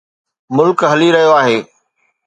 ملڪ هلي رهيو آهي.